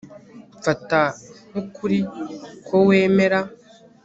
Mfata nkukuri ko wemera